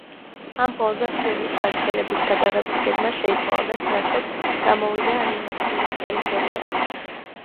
ამ ფონზე ფილმის გაგრძელების გადაღების გეგმა შეიცვალა და სანაცვლოდ გამოვიდა ანიმაციური ტელესერიალი.